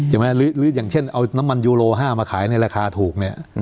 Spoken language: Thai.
หรืออย่างเช่นเอาน้ำมันยูโล๕มาขายในราคาถูกเนี่ย